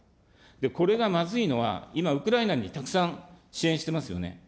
これがまずいのは、今、ウクライナにたくさん支援してますよね。